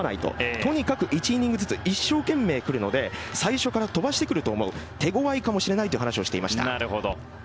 とにかく１イニングずつ一生懸命来るので最初から飛ばしてくると思う手ごわいかもしれないという話をしていました。